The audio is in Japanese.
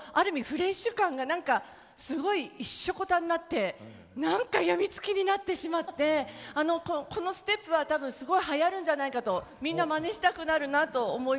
フレッシュ感が何かすごいいっしょくたになって何かヤミツキになってしまってこのステップは多分すごいはやるんじゃないかとみんなまねしたくなるなと思いました。